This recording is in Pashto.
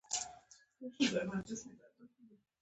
هغه غوښتل چې خپل قیمتي مروارید پیدا کړي.